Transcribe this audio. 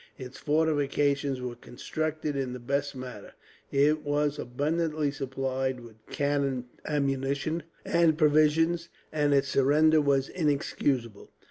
Its fortifications were constructed in the best manner; it was abundantly supplied with cannon, ammunition, and provisions; and its surrender was inexcusable.